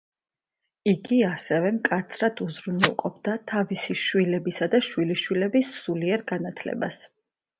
იგი ასევე მკაცრად უზრუნველყოფდა თავისი შვილებისა და შვილიშვილების სულიერ განათლებას.